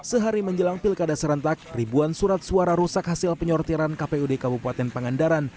sehari menjelang pilkada serentak ribuan surat suara rusak hasil penyortiran kpud kabupaten pangandaran